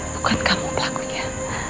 bukan kamu pelakunya